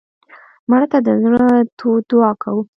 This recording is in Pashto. مړه ته د زړه تود دعا کوو